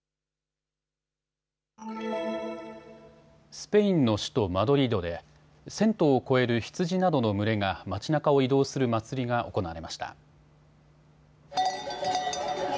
スペインの首都マドリードで１０００頭を超える羊などの群れが街なかを移動する祭りが行われました。